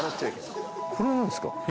これは何ですか？